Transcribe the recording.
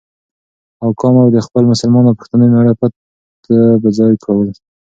او کام او د خپل مسلمان او پښتانه مېـړه پت په ځای کول،